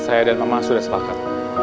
saya dan memang sudah sepakat